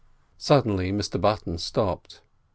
Suddenly Mr Button stopped.